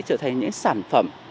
trở thành những sản phẩm